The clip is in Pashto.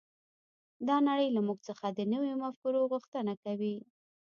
دا نړۍ له موږ څخه د نویو مفکورو غوښتنه کوي